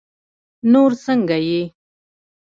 نور سنګه یی